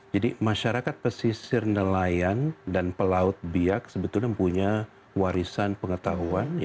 jadi masyarakat pesisir nelayan dan pelaut biak sebetulnya punya warisan pengetahuan